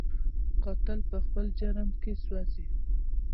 قاتل په خپل جرم کې سوځي